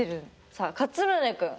さあかつむねくん。